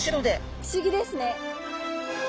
不思議ですね。